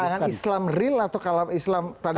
kalangan islam real atau kalangan islam politik